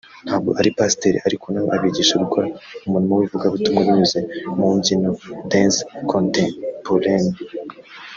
ntabwo ari Pasiteri ariko na we abigisha gukora umurimo w’ivugabutumwa binyuze mu mbyino [danse contemporaine]